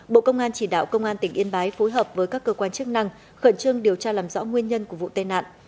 bộ công an chỉ đạo công an tỉnh yên bái phối hợp với các cơ quan chức năng khẩn trương điều tra làm rõ nguyên nhân của vụ tai nạn